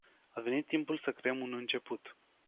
A venit timpul să creăm un început.